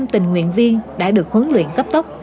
một trăm linh tình nguyện viên đã được huấn luyện cấp tốc